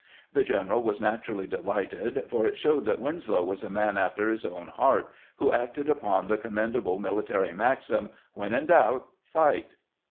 The general was natu rally delighted, for it showed that Winslow was a man after his own heart, who acted upon the commendable military maxim, " When in doubt, fight."